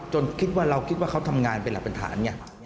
จนคิดว่าเราคิดเขาทำงานไปแหละบันทาน